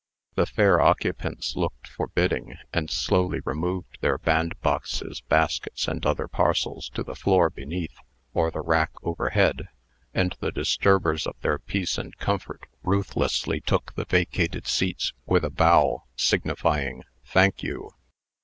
The fair occupants looked forbidding, and slowly removed their bandboxes, baskets, and other parcels, to the floor beneath, or the rack overhead; and the disturbers of their peace and comfort ruthlessly took the vacated seats, with a bow, signifying "Thank you."